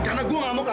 kalau lo adalah tovan